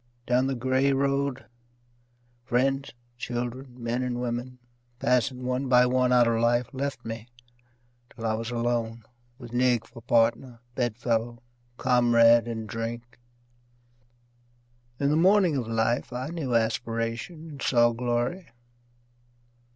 Down the grey road, friends, children, men and women, Passing one by one out of life, left me till I was alone With Nig for partner, bed fellow, comrade in drink. In the morning of life I knew aspiration and saw glory.